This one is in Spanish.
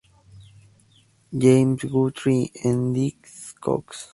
James Guthrie en Discogs.